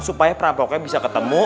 supaya perampoknya bisa ketemu